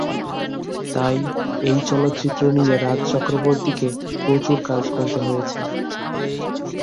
তাই এই চলচ্চিত্র নিয়ে রাজ চক্রবর্তীকে প্রচুর কাজ করতে হয়েছে।